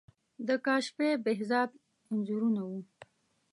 د کاشفی، بهزاد انځورونه وو.